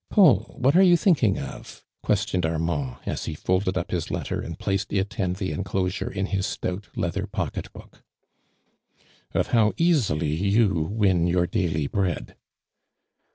" Paul, what are you thinking otV^ ques tioned Armand, as he folded up hirt letter and placed it and the enclosure in hix Htout, leather pocket book. "( )f how easily you win your daily bread."